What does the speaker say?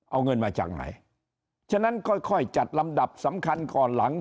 เอาเงินมาจากไหนฉะนั้นค่อยค่อยจัดลำดับสำคัญก่อนหลัง